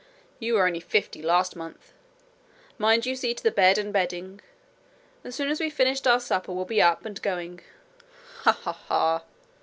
'You were only fifty last month. Mind you see to the bed and bedding. As soon as we've finished our supper, we'll be up and going. Ha! ha! ha!'